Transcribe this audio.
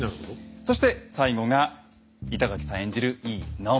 そして最後が板垣さん演じる